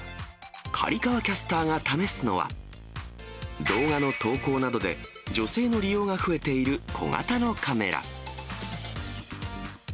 刈川キャスターが試すのは、動画の投稿などで女性の利用が増えている小型のカメラ。